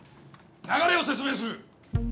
流れを説明する。